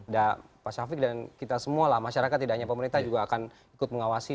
dan pak syafiq dan kita semualah masyarakat tidak hanya pemerintah juga akan ikut mengawasi